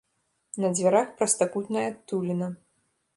На дзвярах прастакутная адтуліна.